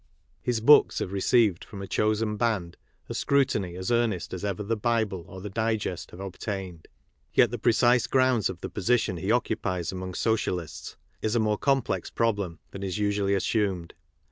His books have received from a chosen band a scrutiny as earnest as ever the Bible or the Digest have obtained. Yet the precise grounds of the position he occupies among Socialists is a more complex problem than is usually assumed.